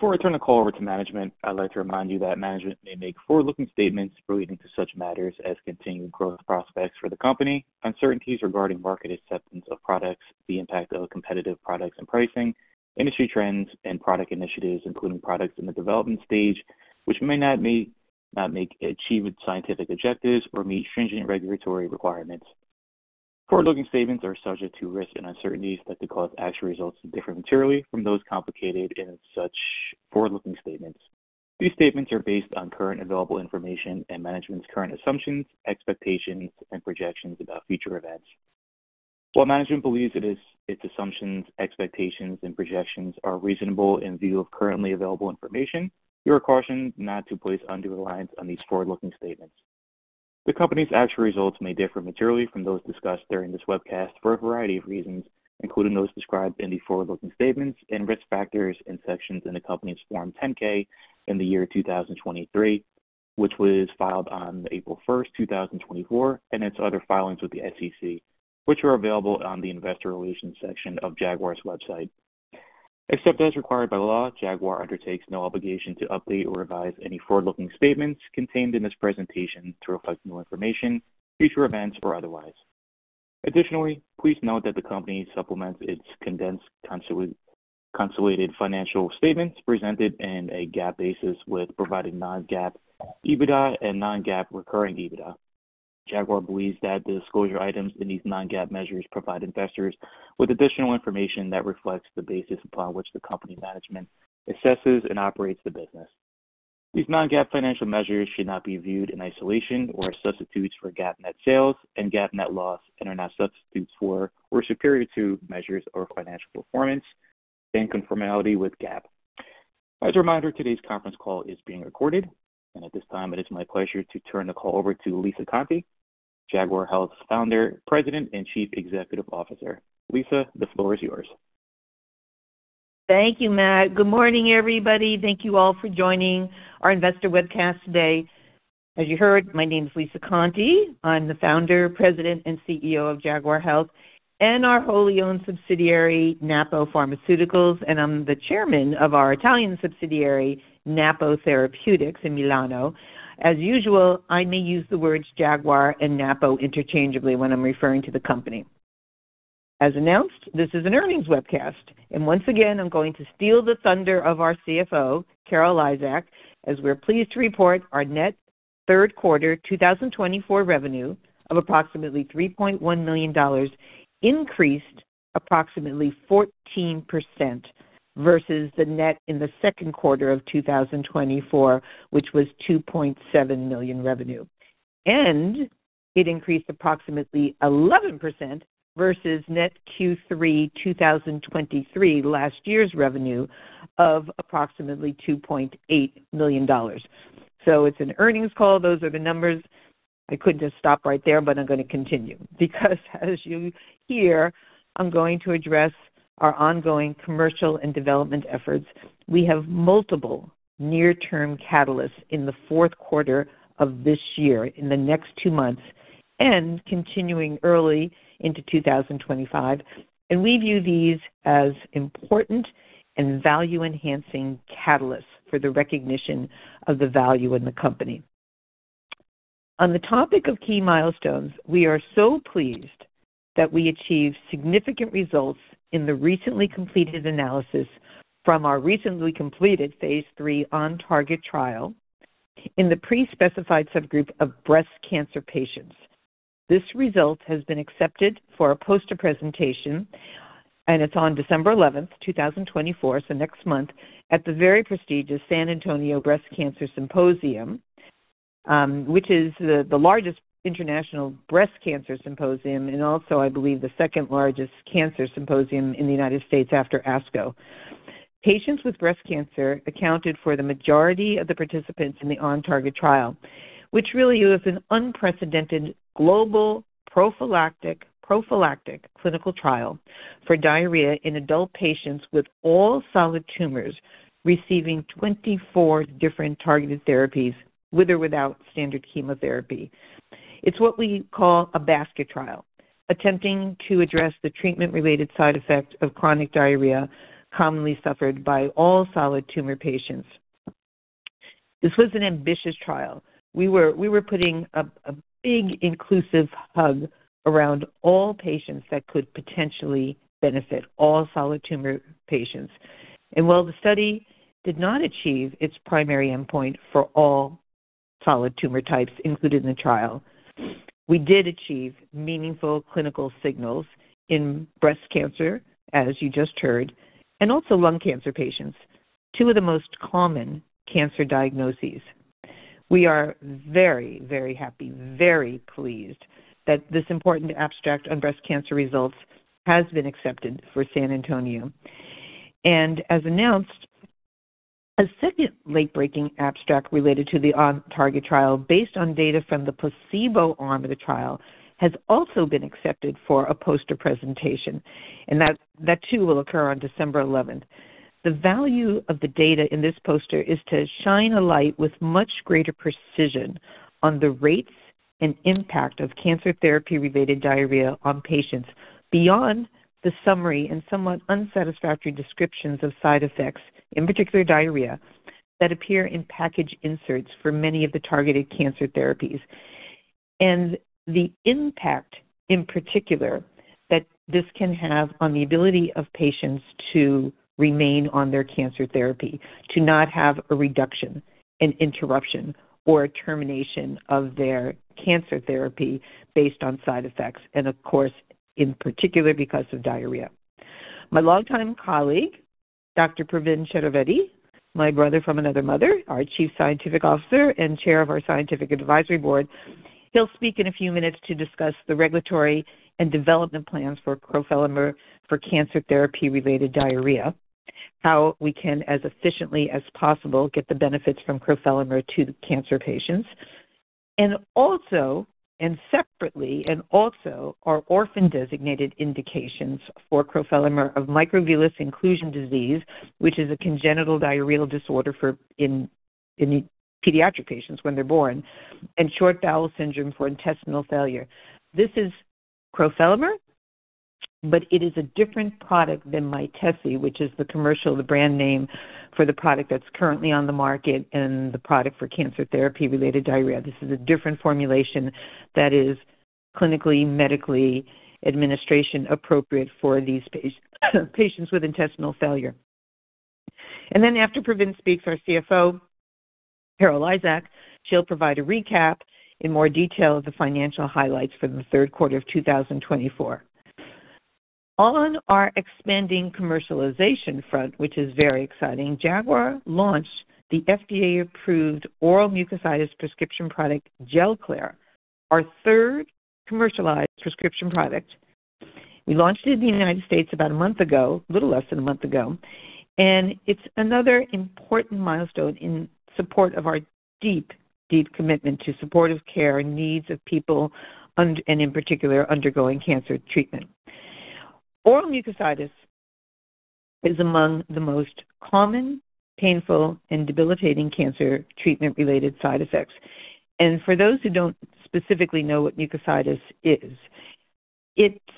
Before I turn the call over to management, I'd like to remind you that management may make forward-looking statements relating to such matters as continued growth prospects for the company, uncertainties regarding market acceptance of products, the impact of competitive products and pricing, industry trends, and product initiatives including products in the development stage which may not meet anticipated scientific objectives or meet stringent regulatory requirements. Forward-looking statements are subject to risks and uncertainties that could cause actual results to differ materially from those contemplated in such forward-looking statements. These statements are based on currently available information and management's current assumptions, expectations, and projections about future events. While management believes that its assumptions, expectations, and projections are reasonable in view of currently available information, you are cautioned not to place undue reliance on these forward-looking statements. The company's actual results may differ materially from those discussed during this webcast for a variety of reasons, including those described in the forward-looking statements and risk factors in sections in the company's Form 10-K in the year 2023, which was filed on April 1st, 2024, and its other filings with the SEC, which are available on the investor relations section of Jaguar's website. Except as required by law, Jaguar undertakes no obligation to update or revise any forward-looking statements contained in this presentation to reflect new information, future events, or otherwise. Additionally, please note that the company supplements its condensed consolidated financial statements presented in a GAAP basis with providing non-GAAP EBITDA and non-GAAP recurring EBITDA. Jaguar believes that the disclosure items in these non-GAAP measures provide investors with additional information that reflects the basis upon which the company management assesses and operates the business. These non-GAAP financial measures should not be viewed in isolation or as substitutes for GAAP net sales and GAAP net loss and are not substitutes for or superior to measures or financial performance in conformity with GAAP. As a reminder, today's conference call is being recorded, and at this time, it is my pleasure to turn the call over to Lisa Conte, Jaguar Health's Founder, President, and Chief Executive Officer. Lisa, the floor is yours. Thank you, Matt. Good morning, everybody. Thank you all for joining our investor webcast today. As you heard, my name is Lisa Conte. I'm the Founder, President, and CEO of Jaguar Health and our wholly owned subsidiary, Napo Pharmaceuticals, and I'm the Chairman of our Italian subsidiary, Napo Therapeutics, in Milano. As usual, I may use the words Jaguar and Napo interchangeably when I'm referring to the company. As announced, this is an earnings webcast, and once again, I'm going to steal the thunder of our CFO, Carol Lizak, as we're pleased to report our net third quarter 2024 revenue of approximately $3.1 million increased approximately 14% versus the net in the second quarter of 2024, which was $2.7 million revenue, and it increased approximately 11% versus net Q3 2023, last year's revenue of approximately $2.8 million. So, it's an earnings call. Those are the numbers. I couldn't just stop right there, but I'm going to continue because, as you hear, I'm going to address our ongoing commercial and development efforts. We have multiple near-term catalysts in the fourth quarter of this year, in the next two months, and continuing early into 2025, and we view these as important and value-enhancing catalysts for the recognition of the value in the company. On the topic of key milestones, we are so pleased that we achieved significant results in the recently completed analysis from our recently completed phase III OnTarget trial in the pre-specified subgroup of breast cancer patients. This result has been accepted for a poster presentation, and it's on December 11th, 2024, so next month, at the very prestigious San Antonio Breast Cancer Symposium, which is the largest international breast cancer symposium and also, I believe, the second largest cancer symposium in the United States after ASCO. Patients with breast cancer accounted for the majority of the participants in the OnTarget trial, which really was an unprecedented global prophylactic clinical trial for diarrhea in adult patients with all solid tumors receiving 24 different targeted therapies with or without standard chemotherapy. It's what we call a basket trial, attempting to address the treatment-related side effect of chronic diarrhea commonly suffered by all solid tumor patients. This was an ambitious trial. We were putting a big inclusive hug around all patients that could potentially benefit, all solid tumor patients. While the study did not achieve its primary endpoint for all solid tumor types included in the trial, we did achieve meaningful clinical signals in breast cancer, as you just heard, and also lung cancer patients, two of the most common cancer diagnoses. We are very, very happy, very pleased that this important abstract on breast cancer results has been accepted for San Antonio. As announced, a second late-breaking abstract related to the OnTarget trial, based on data from the placebo arm of the trial, has also been accepted for a poster presentation, and that too will occur on December 11th. The value of the data in this poster is to shine a light with much greater precision on the rates and impact of cancer therapy-related diarrhea on patients beyond the summary and somewhat unsatisfactory descriptions of side effects, in particular diarrhea, that appear in package inserts for many of the targeted cancer therapies, and the impact in particular that this can have on the ability of patients to remain on their cancer therapy, to not have a reduction, an interruption, or a termination of their cancer therapy based on side effects, and of course, in particular because of diarrhea. My longtime colleague, Dr. Pravin Chaturvedi, my brother from another mother, our Chief Scientific Officer and Chair of our Scientific Advisory Board, he'll speak in a few minutes to discuss the regulatory and development plans for crofelemer for cancer therapy-related diarrhea, how we can, as efficiently as possible, get the benefits from crofelemer to cancer patients, and separately, and also our orphan-designated indications for crofelemer of microvillous inclusion disease, which is a congenital diarrheal disorder for pediatric patients when they're born, and short bowel syndrome for intestinal failure. This is crofelemer, but it is a different product than Mytesi, which is the commercial, the brand name for the product that's currently on the market and the product for cancer therapy-related diarrhea. This is a different formulation that is clinically, medically, administration-appropriate for these patients with intestinal failure. And then after Pravin speaks, our CFO, Carol Lizak, she'll provide a recap in more detail of the financial highlights for the third quarter of 2024. On our expanding commercialization front, which is very exciting, Jaguar launched the FDA-approved oral mucositis prescription product, Gelclair, our third commercialized prescription product. We launched it in the United States about a month ago, a little less than a month ago, and it's another important milestone in support of our deep, deep commitment to supportive care and needs of people, and in particular, undergoing cancer treatment. Oral mucositis is among the most common, painful, and debilitating cancer treatment-related side effects. And for those who don't specifically know what mucositis is,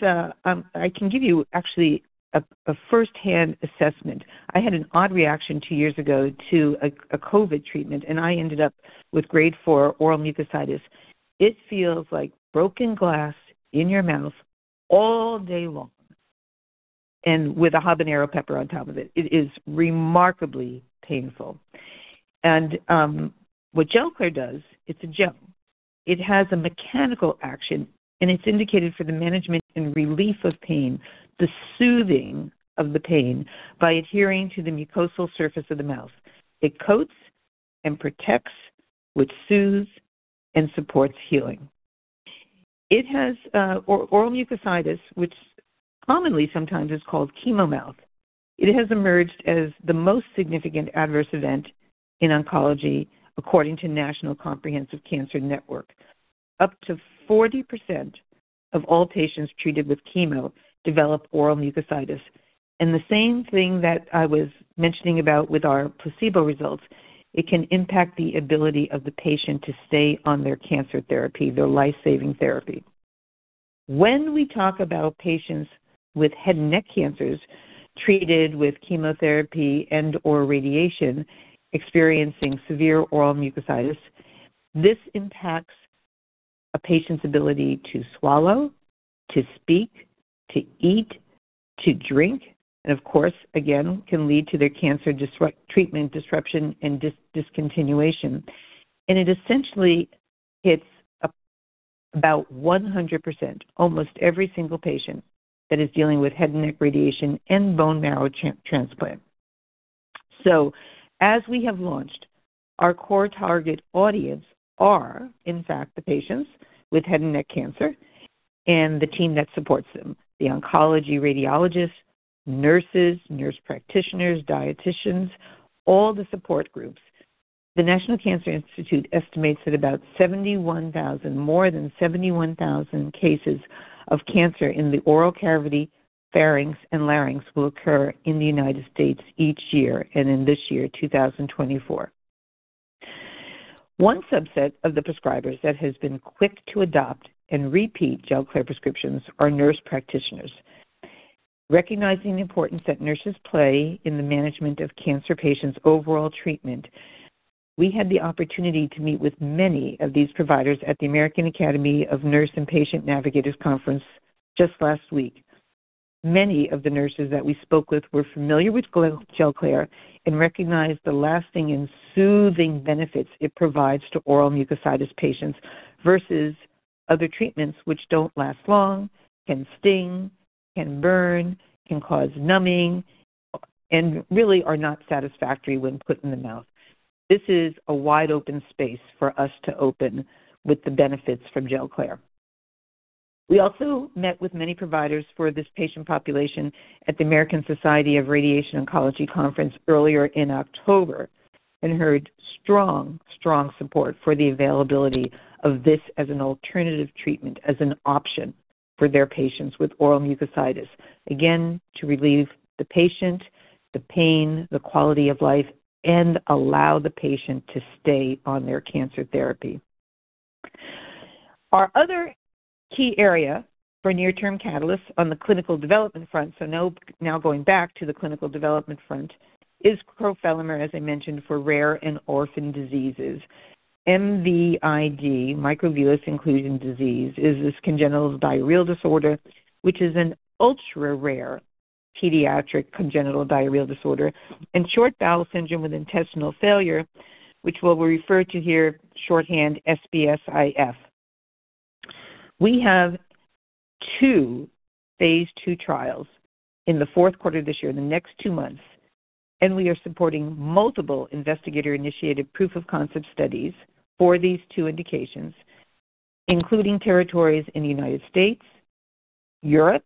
I can give you actually a firsthand assessment. I had an odd reaction two years ago to a COVID treatment, and I ended up with grade four oral mucositis. It feels like broken glass in your mouth all day long and with a habanero pepper on top of it. It is remarkably painful. And what Gelclair does, it's a gel. It has a mechanical action, and it's indicated for the management and relief of pain, the soothing of the pain by adhering to the mucosal surface of the mouth. It coats and protects, which soothes and supports healing. Oral mucositis, which commonly sometimes is called chemo mouth, it has emerged as the most significant adverse event in oncology, according to National Comprehensive Cancer Network. Up to 40% of all patients treated with chemo develop oral mucositis. And the same thing that I was mentioning about with our placebo results, it can impact the ability of the patient to stay on their cancer therapy, their life-saving therapy. When we talk about patients with head and neck cancers treated with chemotherapy and/or radiation, experiencing severe oral mucositis, this impacts a patient's ability to swallow, to speak, to eat, to drink, and of course, again, can lead to their cancer treatment disruption and discontinuation, and it essentially hits about 100%, almost every single patient that is dealing with head and neck radiation and bone marrow transplant, so as we have launched, our core target audience are, in fact, the patients with head and neck cancer and the team that supports them, the oncology radiologists, nurses, nurse practitioners, dieticians, all the support groups. The National Cancer Institute estimates that about 71,000, more than 71,000 cases of cancer in the oral cavity, pharynx, and larynx will occur in the United States each year and in this year, 2024. One subset of the prescribers that has been quick to adopt and repeat Gelclair prescriptions are nurse practitioners. Recognizing the importance that nurses play in the management of cancer patients' overall treatment, we had the opportunity to meet with many of these providers at the American Academy of Nurse and Patient Navigators Conference just last week. Many of the nurses that we spoke with were familiar with Gelclair and recognized the lasting and soothing benefits it provides to oral mucositis patients versus other treatments which don't last long, can sting, can burn, can cause numbing, and really are not satisfactory when put in the mouth. This is a wide open space for us to open with the benefits from Gelclair. We also met with many providers for this patient population at the American Society for Radiation Oncology Conference earlier in October and heard strong, strong support for the availability of this as an alternative treatment, as an option for their patients with oral mucositis, again, to relieve the patient, the pain, the quality of life, and allow the patient to stay on their cancer therapy. Our other key area for near-term catalysts on the clinical development front, so now going back to the clinical development front, is crofelemer, as I mentioned, for rare and orphan diseases. MVID, microvillous inclusion disease, is this congenital diarrheal disorder, which is an ultra-rare pediatric congenital diarrheal disorder, and short bowel syndrome with intestinal failure, which we'll refer to here shorthand SBSIF. We have two phase II trials in the fourth quarter of this year, in the next two months, and we are supporting multiple investigator-initiated proof of concept studies for these two indications, including territories in the United States, Europe,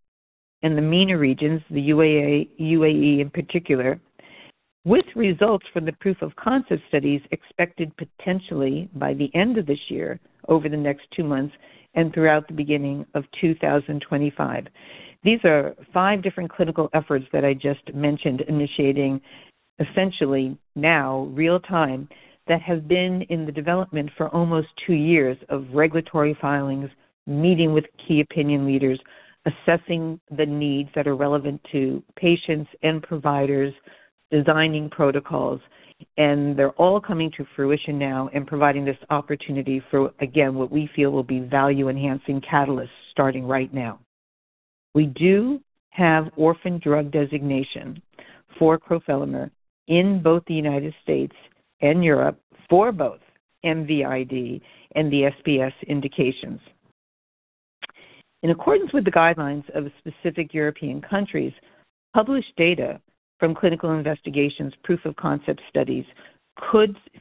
and the MENA regions, the UAE in particular, with results from the proof of concept studies expected potentially by the end of this year, over the next two months, and throughout the beginning of 2025. These are five different clinical efforts that I just mentioned, initiating essentially now real-time that have been in the development for almost two years of regulatory filings, meeting with key opinion leaders, assessing the needs that are relevant to patients and providers, designing protocols, and they're all coming to fruition now and providing this opportunity for, again, what we feel will be value-enhancing catalysts starting right now. We do have orphan drug designation for crofelemer in both the United States and Europe for both MVID and the SBS indications. In accordance with the guidelines of specific European countries, published data from clinical investigations, proof of concept studies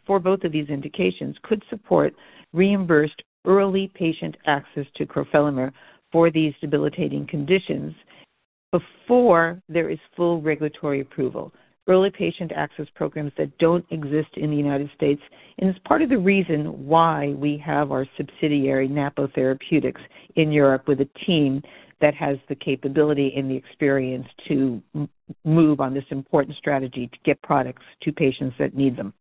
for both of these indications could support reimbursed early patient access to crofelemer for these debilitating conditions before there is full regulatory approval. Early patient access programs that don't exist in the United States, and it's part of the reason why we have our subsidiary, Napo Therapeutics, in Europe with a team that has the capability and the experience to move on this important strategy to get products to patients that need them.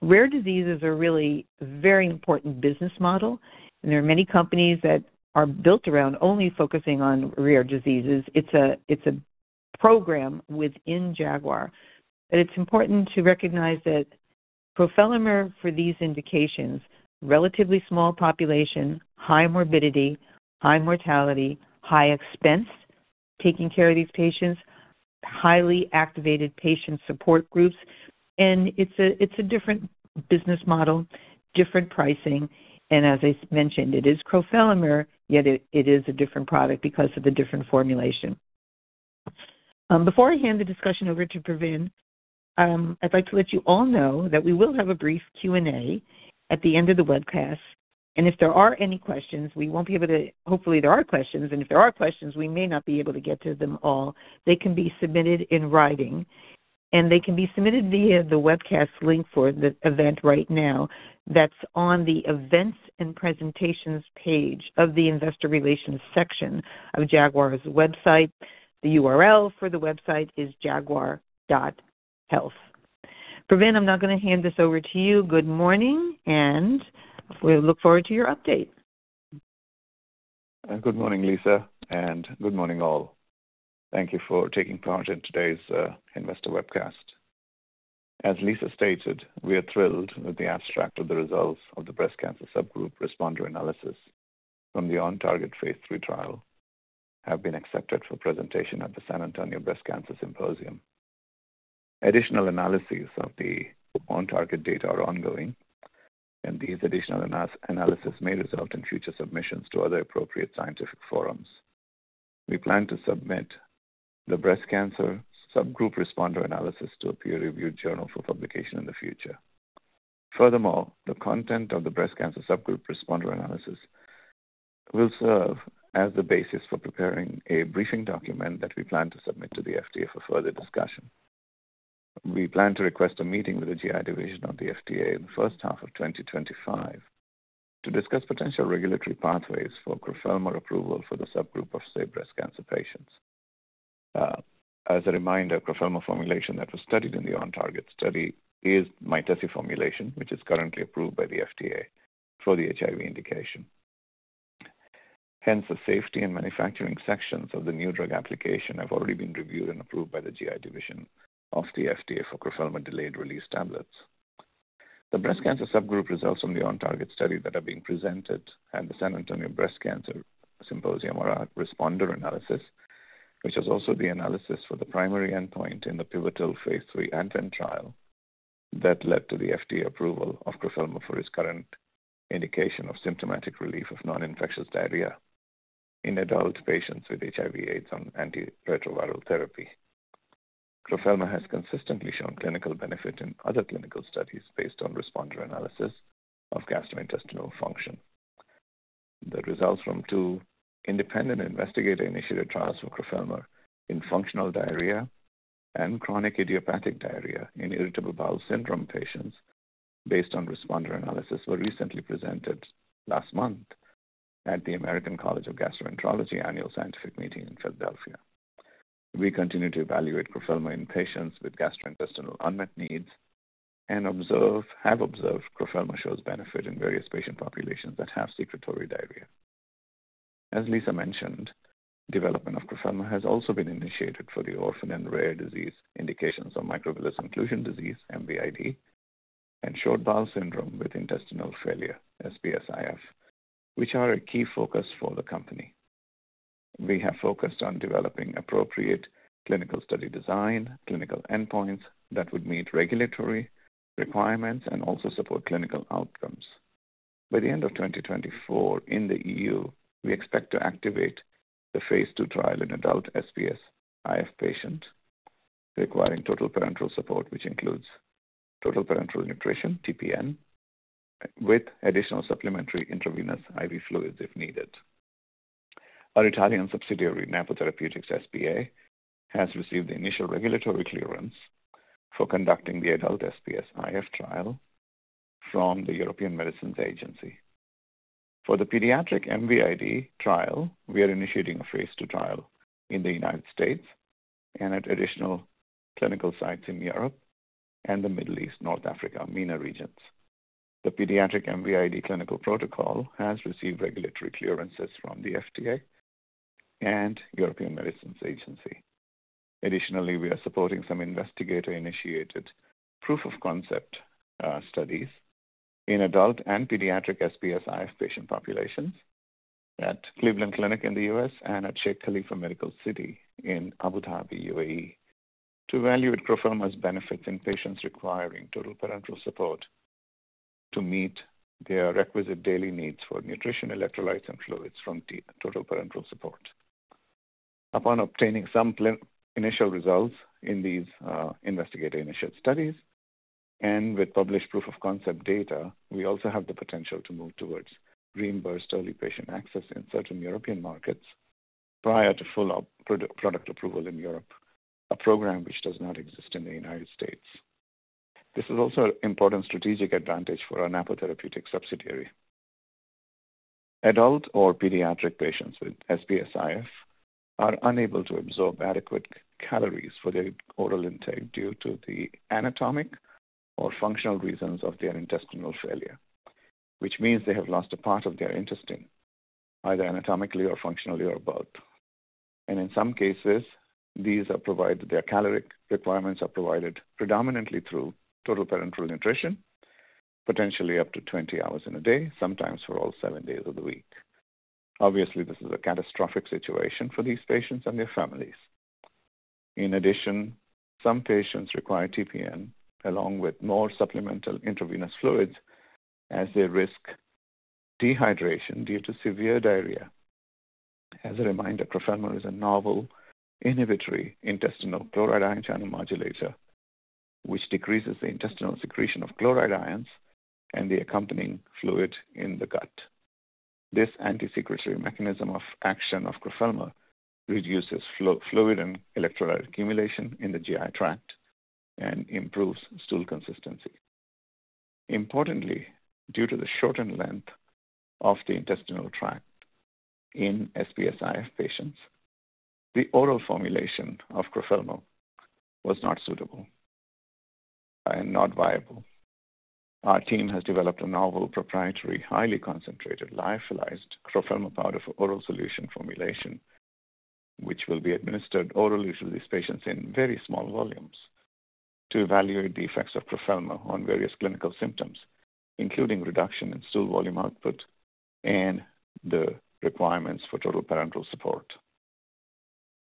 Rare diseases are really a very important business model, and there are many companies that are built around only focusing on rare diseases. It's a program within Jaguar. But it's important to recognize that crofelemer for these indications, relatively small population, high morbidity, high mortality, high expense taking care of these patients, highly activated patient support groups, and it's a different business model, different pricing. And as I mentioned, it is crofelemer, yet it is a different product because of the different formulation. Before I hand the discussion over to Pravin, I'd like to let you all know that we will have a brief Q&A at the end of the webcast. And if there are any questions, we won't be able to, hopefully, there are questions. And if there are questions, we may not be able to get to them all. They can be submitted in writing, and they can be submitted via the webcast link for the event right now. That's on the events and presentations page of the investor relations section of Jaguar's website. The URL for the website is jaguar.health. Pravin, I'm not going to hand this over to you. Good morning, and we look forward to your update. Good morning, Lisa, and good morning, all. Thank you for taking part in today's investor webcast. As Lisa stated, we are thrilled with the abstract of the results of the breast cancer subgroup responder analysis from the OnTarget phase III trial that have been accepted for presentation at the San Antonio Breast Cancer Symposium. Additional analyses of the OnTarget data are ongoing, and these additional analyses may result in future submissions to other appropriate scientific forums. We plan to submit the breast cancer subgroup responder analysis to a peer-reviewed journal for publication in the future. Furthermore, the content of the breast cancer subgroup responder analysis will serve as the basis for preparing a briefing document that we plan to submit to the FDA for further discussion. We plan to request a meeting with the GI division of the FDA in the first half of 2025 to discuss potential regulatory pathways for crofelemer approval for the subgroup of same breast cancer patients. As a reminder, crofelemer formulation that was studied in the OnTarget study is Mytesi formulation, which is currently approved by the FDA for the HIV indication. Hence, the safety and manufacturing sections of the new drug application have already been reviewed and approved by the GI division of the FDA for crofelemer delayed-release tablets. The breast cancer subgroup results from the OnTarget study that are being presented at the San Antonio Breast Cancer Symposium are our responder analysis, which is also the analysis for the primary endpoint in the pivotal phase III ADVENT trial that led to the FDA approval of crofelemer for its current indication of symptomatic relief of non-infectious diarrhea in adult patients with HIV/AIDS on antiretroviral therapy. Crofelemer has consistently shown clinical benefit in other clinical studies based on responder analysis of gastrointestinal function. The results from two independent investigator-initiated trials for crofelemer in functional diarrhea and chronic idiopathic diarrhea in irritable bowel syndrome patients based on responder analysis were recently presented last month at the American College of Gastroenterology annual scientific meeting in Philadelphia. We continue to evaluate crofelemer in patients with gastrointestinal unmet needs and have observed crofelemer shows benefit in various patient populations that have secretory diarrhea. As Lisa mentioned, development of crofelemer has also been initiated for the orphan and rare disease indications of microvillous inclusion disease, MVID, and short bowel syndrome with intestinal failure, SBSIF, which are a key focus for the company. We have focused on developing appropriate clinical study design, clinical endpoints that would meet regulatory requirements and also support clinical outcomes. By the end of 2024, in the EU, we expect to activate the phase II trial in adult SBSIF patients requiring total parenteral support, which includes total parenteral nutrition, TPN, with additional supplementary intravenous IV fluids if needed. Our Italian subsidiary, Napo Therapeutics S.p.A., has received the initial regulatory clearance for conducting the adult SBSIF trial from the European Medicines Agency. For the pediatric MVID trial, we are initiating a phase II trial in the United States and at additional clinical sites in Europe and the Middle East, North Africa, MENA regions. The pediatric MVID clinical protocol has received regulatory clearances from the FDA and European Medicines Agency. Additionally, we are supporting some investigator-initiated proof of concept studies in adult and pediatric SBSIF patient populations at Cleveland Clinic in the U.S. and at Sheikh Khalifa Medical City in Abu Dhabi, UAE, to evaluate crofelemer's benefits in patients requiring total parenteral support to meet their requisite daily needs for nutrition, electrolytes, and fluids from total parenteral support. Upon obtaining some initial results in these investigator-initiated studies and with published proof of concept data, we also have the potential to move towards reimbursed early patient access in certain European markets prior to full product approval in Europe, a program which does not exist in the United States. This is also an important strategic advantage for our Napo Therapeutics subsidiary. Adult or pediatric patients with SBSIF are unable to absorb adequate calories for their oral intake due to the anatomic or functional reasons of their intestinal failure, which means they have lost a part of their intestine, either anatomically or functionally or both. And in some cases, these are provided, their caloric requirements are provided predominantly through total parenteral nutrition, potentially up to 20 hours in a day, sometimes for all seven days of the week. Obviously, this is a catastrophic situation for these patients and their families. In addition, some patients require TPN along with more supplemental intravenous fluids as they risk dehydration due to severe diarrhea. As a reminder, crofelemer is a novel inhibitory intestinal chloride ion channel modulator, which decreases the intestinal secretion of chloride ions and the accompanying fluid in the gut. This anti-secretory mechanism of action of crofelemer reduces fluid and electrolyte accumulation in the GI tract and improves stool consistency. Importantly, due to the shortened length of the intestinal tract in SBSIF patients, the oral formulation of crofelemer was not suitable and not viable. Our team has developed a novel proprietary highly concentrated lyophilized crofelemer powder for oral solution formulation, which will be administered orally to these patients in very small volumes to evaluate the effects of crofelemer on various clinical symptoms, including reduction in stool volume output and the requirements for total parenteral support.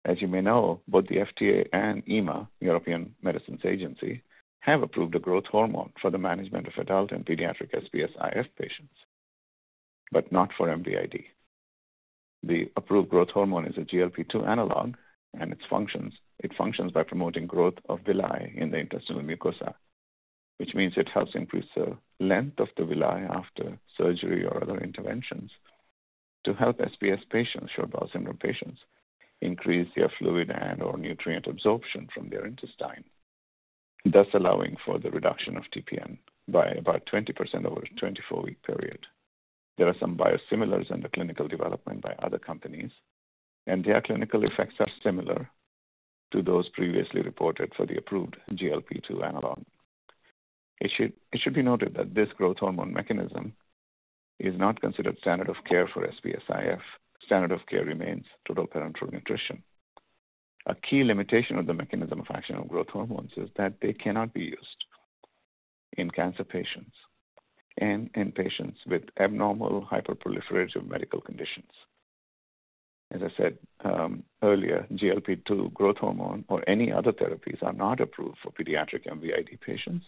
As you may know, both the FDA and EMA, European Medicines Agency, have approved a growth hormone for the management of adult and pediatric SBSIF patients, but not for MVID. The approved growth hormone is a GLP-2 analog, and it functions by promoting growth of villi in the intestinal mucosa, which means it helps increase the length of the villi after surgery or other interventions to help SBS patients, short bowel syndrome patients, increase their fluid and/or nutrient absorption from their intestine, thus allowing for the reduction of TPN by about 20% over a 24-week period. There are some biosimilars in the clinical development by other companies, and their clinical effects are similar to those previously reported for the approved GLP-2 analog. It should be noted that this growth hormone mechanism is not considered standard of care for SBSIF. Standard of care remains total parenteral nutrition. A key limitation of the mechanism of action of growth hormones is that they cannot be used in cancer patients and in patients with abnormal hyperproliferative medical conditions. As I said earlier, GLP-2 growth hormone or any other therapies are not approved for pediatric MVID patients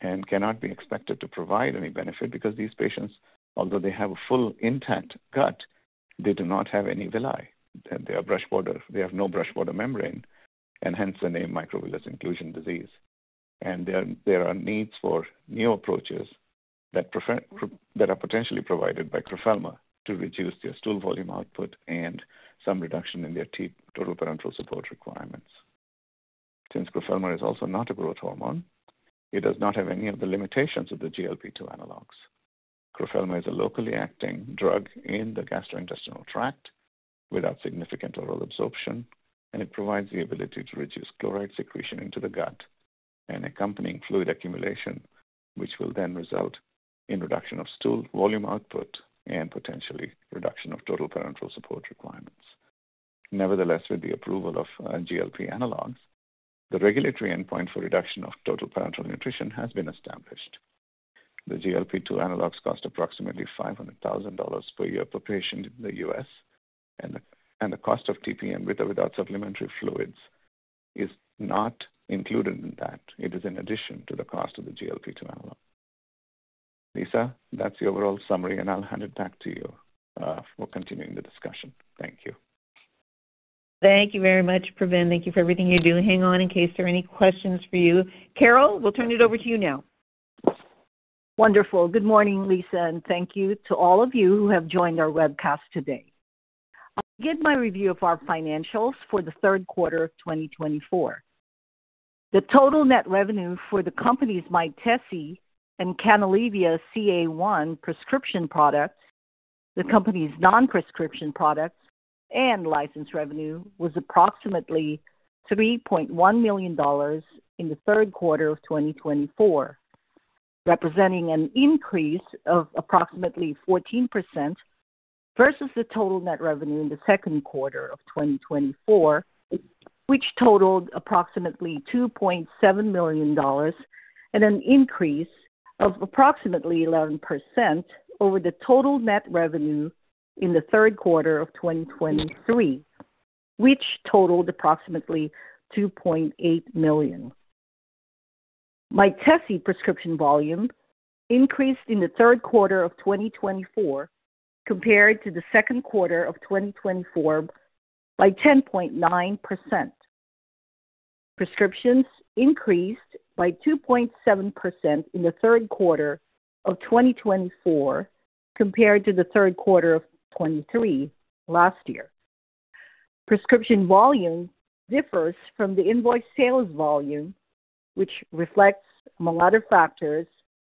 and cannot be expected to provide any benefit because these patients, although they have a full intact gut, they do not have any villi. They have no brush border membrane, and hence the name microvillous inclusion disease, and there are needs for new approaches that are potentially provided by crofelemer to reduce their stool volume output and some reduction in their total parenteral support requirements. Since crofelemer is also not a growth hormone, it does not have any of the limitations of the GLP-2 analogs. Crofelemer is a locally acting drug in the gastrointestinal tract without significant oral absorption, and it provides the ability to reduce chloride secretion into the gut and accompanying fluid accumulation, which will then result in reduction of stool volume output and potentially reduction of total parenteral support requirements. Nevertheless, with the approval of GLP analogs, the regulatory endpoint for reduction of total parenteral nutrition has been established. The GLP-2 analogs cost approximately $500,000 per year per patient in the U.S., and the cost of TPN with or without supplementary fluids is not included in that. It is in addition to the cost of the GLP-2 analog. Lisa, that's the overall summary, and I'll hand it back to you for continuing the discussion. Thank you. T`hank you very much, Pravin. Thank you for everything you do. Hang on in case there are any questions for you. Carol, we'll turn it over to you now. Wonderful. Good morning, Lisa, and thank you to all of you who have joined our webcast today. I'll begin my review of our financials for the third quarter of 2024. The total net revenue for the companies Mytesi and Canalevia-CA1 prescription products, the company's non-prescription products, and license revenue was approximately $3.1 million in the third quarter of 2024, representing an increase of approximately 14% versus the total net revenue in the second quarter of 2024, which totaled approximately $2.7 million and an increase of approximately 11% over the total net revenue in the third quarter of 2023, which totaled approximately $2.8 million. Mytesi prescription volume increased in the third quarter of 2024 compared to the second quarter of 2024 by 10.9%. Prescriptions increased by 2.7% in the third quarter of 2024 compared to the third quarter of 2023 last year. Prescription volume differs from the invoice sales volume, which reflects a lot of factors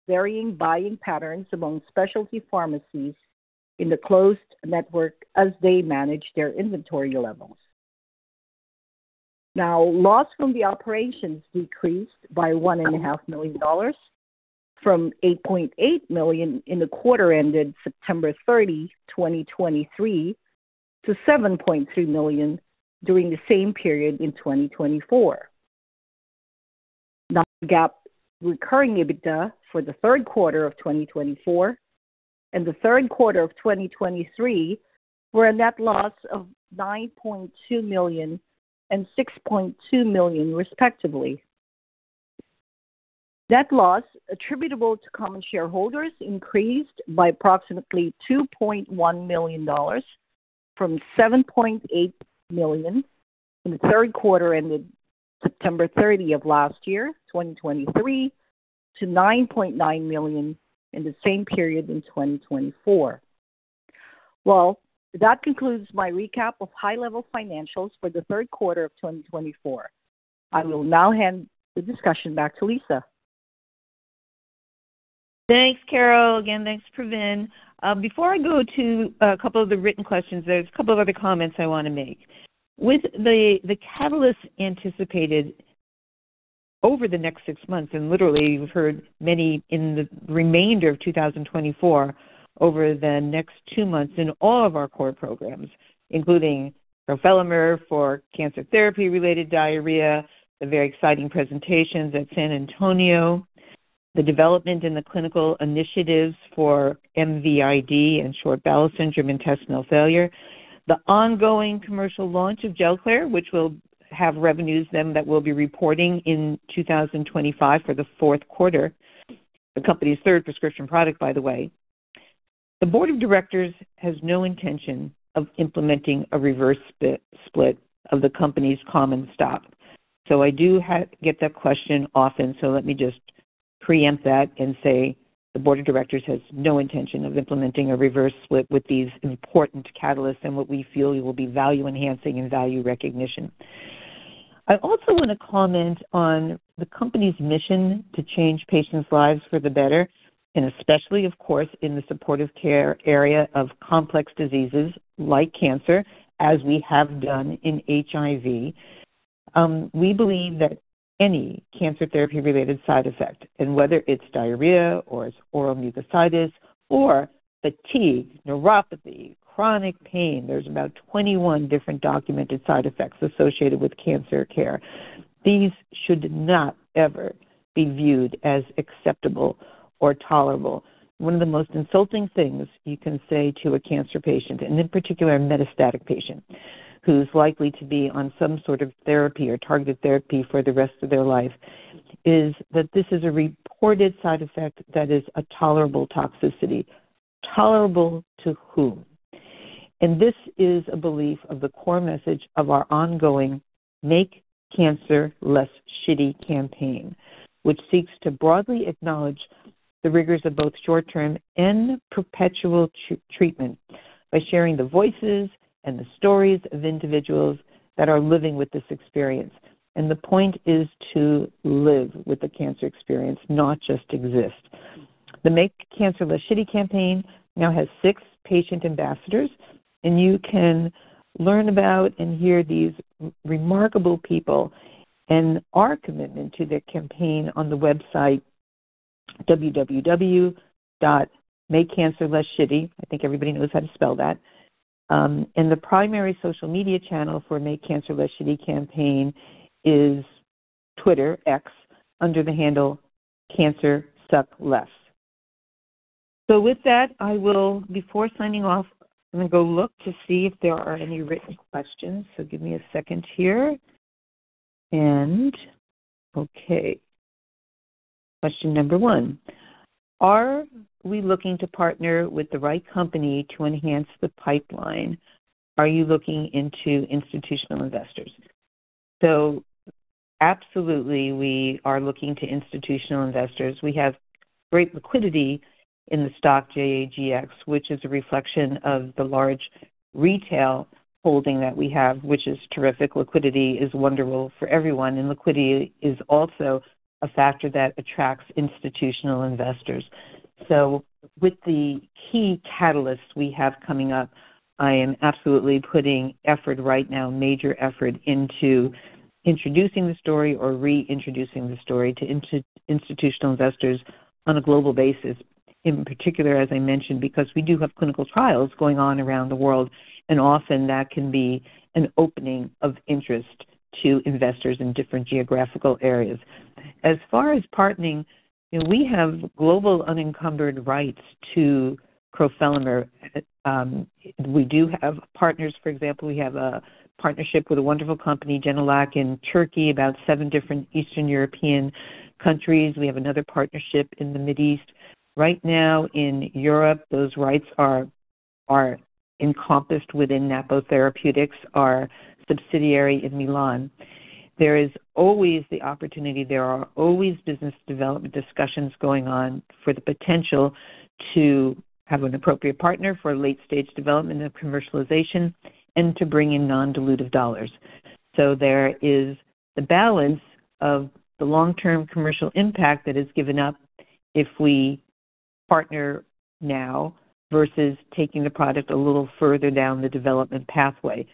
varying buying patterns among specialty pharmacies in the closed network as they manage their inventory levels. Now, loss from the operations decreased by $1.5 million from $8.8 million in the quarter ended September 30, 2023, to $7.3 million during the same period in 2024. Now, the non-GAAP recurring EBITDA for the third quarter of 2024 and the third quarter of 2023 were a net loss of $9.2 million and $6.2 million, respectively. Net loss attributable to common shareholders increased by approximately $2.1 million from $7.8 million in the third quarter ended September 30 of last year, 2023, to $9.9 million in the same period in 2024. Well, that concludes my recap of high-level financials for the third quarter of 2024. I will now hand the discussion back to Lisa. Thanks, Carol. Again, thanks, Pravin. Before I go to a couple of the written questions, there's a couple of other comments I want to make. With the catalyst anticipated over the next six months, and literally, you've heard many in the remainder of 2024 over the next two months in all of our core programs, including crofelemer for cancer therapy-related diarrhea, the very exciting presentations at San Antonio, the development in the clinical initiatives for MVID and short bowel syndrome intestinal failure, the ongoing commercial launch of Gelclair, which will have revenues then that we'll be reporting in 2025 for the fourth quarter, the company's third prescription product, by the way. The board of directors has no intention of implementing a reverse split of the company's common stock. So, I do get that question often, so let me just preempt that and say the board of directors has no intention of implementing a reverse split with these important catalysts and what we feel will be value-enhancing and value recognition. I also want to comment on the company's mission to change patients' lives for the better, and especially, of course, in the supportive care area of complex diseases like cancer, as we have done in HIV. We believe that any cancer therapy-related side effect, and whether it's diarrhea or it's oral mucositis or fatigue, neuropathy, chronic pain, there's about 21 different documented side effects associated with cancer care. These should not ever be viewed as acceptable or tolerable. One of the most insulting things you can say to a cancer patient, and in particular, a metastatic patient who's likely to be on some sort of therapy or targeted therapy for the rest of their life, is that this is a reported side effect that is a tolerable toxicity. Tolerable to whom? And this is a belief of the core message of our ongoing Make Cancer Less Shitty campaign, which seeks to broadly acknowledge the rigors of both short-term and perpetual treatment by sharing the voices and the stories of individuals that are living with this experience. And the point is to live with the cancer experience, not just exist. The Make Cancer Less Shitty campaign now has six patient ambassadors, and you can learn about and hear these remarkable people and our commitment to their campaign on the website, www.makecancerlessshitty.com. I think everybody knows how to spell that, and the primary social media channel for Make Cancer Less Shitty campaign is Twitter, X, under the handle cancersuckless. With that, I will, before signing off, go look to see if there are any written questions, so give me a second here, and okay. Question number one. Are we looking to partner with the right company to enhance the pipeline? Are you looking into institutional investors? Absolutely, we are looking to institutional investors. We have great liquidity in the stock JAGX, which is a reflection of the large retail holding that we have, which is terrific. Liquidity is wonderful for everyone, and liquidity is also a factor that attracts institutional investors. With the key catalysts we have coming up, I am absolutely putting effort right now, major effort into introducing the story or reintroducing the story to institutional investors on a global basis, in particular, as I mentioned, because we do have clinical trials going on around the world, and often that can be an opening of interest to investors in different geographical areas. As far as partnering, we have global unencumbered rights to crofelemer. We do have partners. For example, we have a partnership with a wonderful company, Gen Ilac, in Turkey, about seven different Eastern European countries. We have another partnership in the Middle East. Right now, in Europe, those rights are encompassed within Napo Therapeutics, our subsidiary in Milan. There is always the opportunity. There are always business development discussions going on for the potential to have an appropriate partner for late-stage development of commercialization and to bring in non-dilutive dollars. So there is the balance of the long-term commercial impact that is given up if we partner now versus taking the product a little further down the development pathway.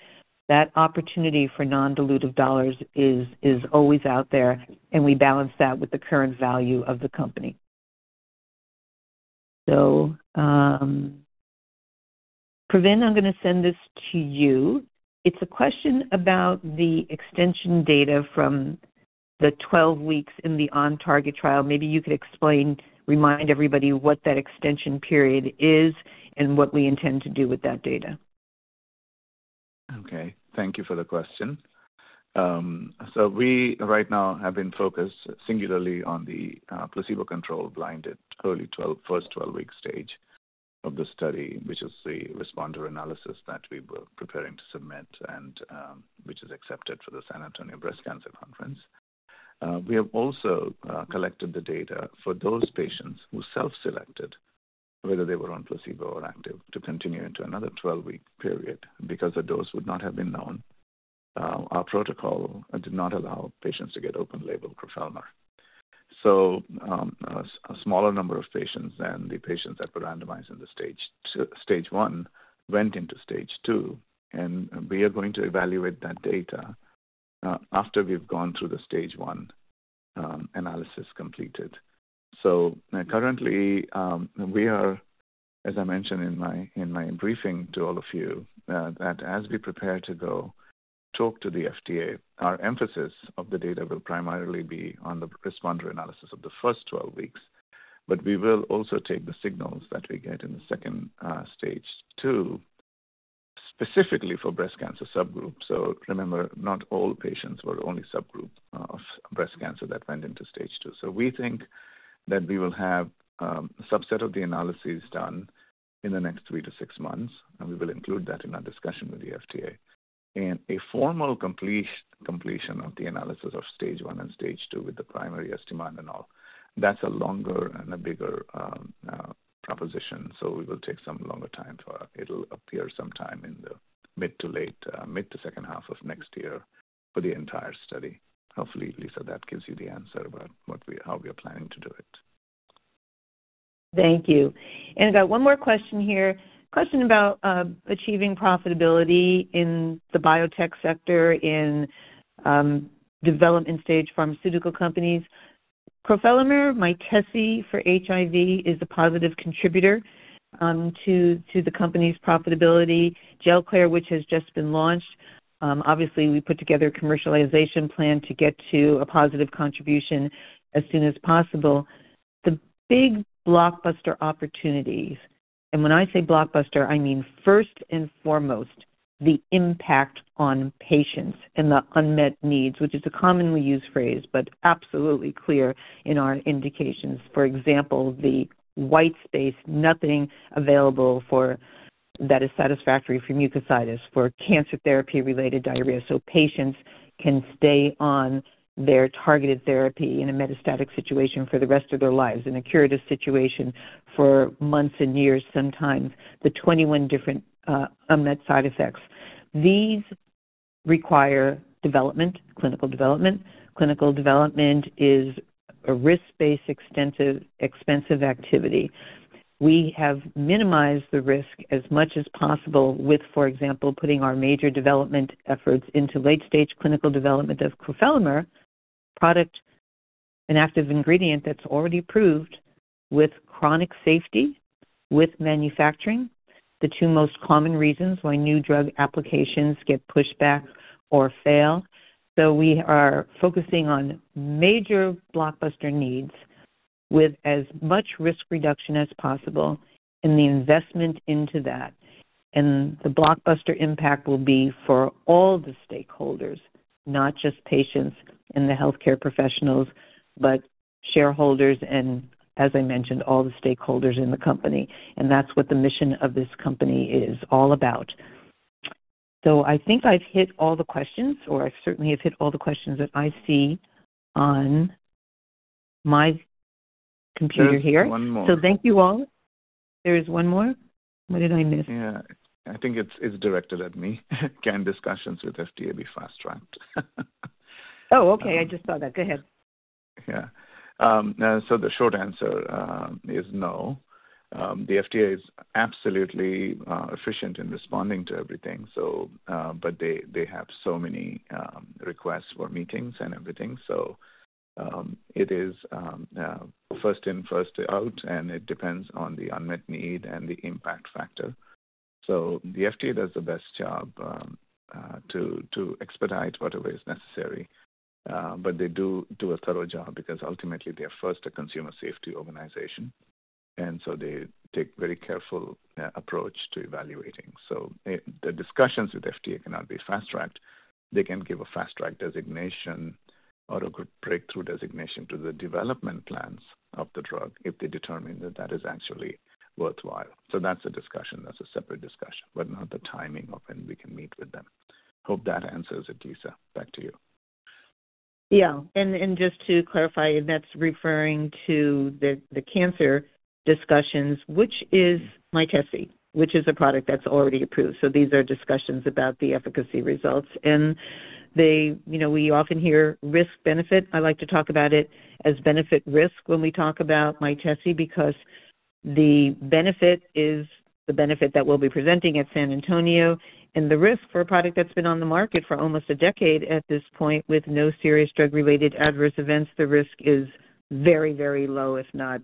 That opportunity for non-dilutive dollars is always out there, and we balance that with the current value of the company. So, Pravin, I'm going to send this to you. It's a question about the extension data from the 12 weeks in the OnTarget trial. Maybe you could explain, remind everybody what that extension period is and what we intend to do with that data. Okay. Thank you for the question. We right now have been focused singularly on the placebo-controlled blinded early first 12-week stage of the study, which is the responder analysis that we were preparing to submit, and which is accepted for the San Antonio Breast Cancer Symposium. We have also collected the data for those patients who self-selected, whether they were on placebo or active, to continue into another 12-week period because the dose would not have been known. Our protocol did not allow patients to get open label crofelemer. A smaller number of patients than the patients that were randomized in the stage one went into stage two, and we are going to evaluate that data after we've gone through the stage one analysis completed. Currently, we are, as I mentioned in my briefing to all of you, that as we prepare to go talk to the FDA, our emphasis of the data will primarily be on the responder analysis of the first 12 weeks, but we will also take the signals that we get in the second stage, too, specifically for breast cancer subgroups. Remember, not all patients were only subgroup of breast cancer that went into stage two. We think that we will have a subset of the analyses done in the next three to six months, and we will include that in our discussion with the FDA. A formal completion of the analysis of stage one and stage two with the primary estimate and all, that's a longer and a bigger proposition. We will take some longer time for it. It'll appear sometime in the mid to late mid to second half of next year for the entire study. Hopefully, Lisa, that gives you the answer about how we are planning to do it. Thank you. And I've got one more question here. Question about achieving profitability in the biotech sector in development stage pharmaceutical companies. Crofelemer, Mytesi for HIV is a positive contributor to the company's profitability. Gelclair, which has just been launched, obviously, we put together a commercialization plan to get to a positive contribution as soon as possible. The big blockbuster opportunities, and when I say blockbuster, I mean first and foremost, the impact on patients and the unmet needs, which is a commonly used phrase but absolutely clear in our indications. For example, the white space, nothing available that is satisfactory for mucositis, for cancer therapy-related diarrhea, so patients can stay on their targeted therapy in a metastatic situation for the rest of their lives, in a curative situation for months and years, sometimes the 21 different unmet side effects. These require development, clinical development. Clinical development is a risk-based, expensive activity. We have minimized the risk as much as possible with, for example, putting our major development efforts into late-stage clinical development of crofelemer, product, an active ingredient that's already proved with chronic safety, with manufacturing, the two most common reasons why new drug applications get pushed back or fail. So, we are focusing on major blockbuster needs with as much risk reduction as possible in the investment into that. And the blockbuster impact will be for all the stakeholders, not just patients and the healthcare professionals, but shareholders and, as I mentioned, all the stakeholders in the company. And that's what the mission of this company is all about. So, I think I've hit all the questions, or I certainly have hit all the questions that I see on my computer here. There is one more. So, thank you all. There is one more. What did I miss? Yeah. I think it's directed at me. Can discussions with FDA be fast-tracked? Oh, okay. I just saw that. Go ahead. Yeah. So, the short answer is no. The FDA is absolutely efficient in responding to everything, but they have so many requests for meetings and everything. So, it is first in, first out, and it depends on the unmet need and the impact factor. So, the FDA does the best job to expedite whatever is necessary, but they do, do a thorough job because ultimately, they are first a consumer safety organization, and so they take a very careful approach to evaluating. So, the discussions with FDA cannot be fast-tracked. They can give a fast-track designation or a breakthrough designation to the development plans of the drug if they determine that that is actually worthwhile. So that's a discussion. That's a separate discussion, but not the timing of when we can meet with them. Hope that answers it, Lisa. Back to you. Yeah. And just to clarify, and that's referring to the cancer discussions, which is Mytesi, which is a product that's already approved. So, these are discussions about the efficacy results. And we often hear risk-benefit. I like to talk about it as benefit-risk when we talk about Mytesi because the benefit is the benefit that we'll be presenting at San Antonio, and the risk for a product that's been on the market for almost a decade at this point with no serious drug-related adverse events, the risk is very, very low, if not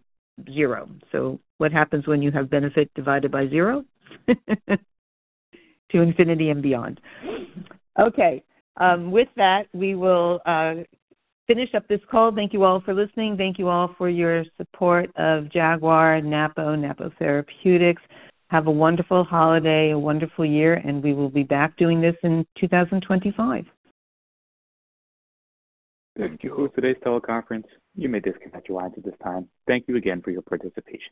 zero. So what happens when you have benefit divided by zero? To infinity and beyond. Okay. With that, we will finish up this call. Thank you all for listening. Thank you all for your support of Jaguar, Napo, Napo Therapeutics. Have a wonderful holiday, a wonderful year, and we will be back doing this in 2025. Thank you. Today's teleconference, you may disconnect your lines at this time. Thank you again for your participation.